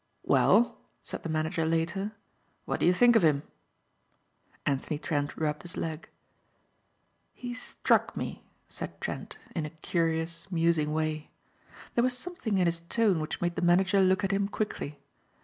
"Well," said the manager later, "what do you think of him?" Anthony Trent rubbed his leg. "He struck me," said Trent in a curious, musing way. There was something in his tone which made the manager look at him quickly.